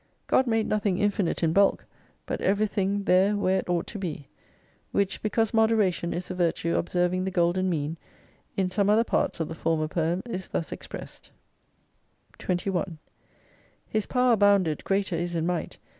God made nothing infinite in bulk, but everything there where it ought to be. Which, because moderation is a virtue observing the golden mean, in some other parts of the former poem, is thus expressed. 21 His Power bounded, greater is in might.